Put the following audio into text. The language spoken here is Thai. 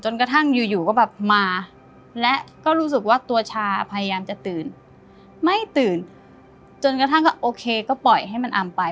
กระทั่งอยู่ก็แบบมาและก็รู้สึกว่าตัวชาพยายามจะตื่นไม่ตื่นจนกระทั่งก็โอเคก็ปล่อยให้มันอำไป